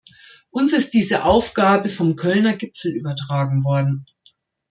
Uns ist diese Aufgabe vom Kölner Gipfel übertragen worden.